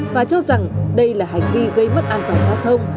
và cho rằng đây là hành vi gây mất an toàn giao thông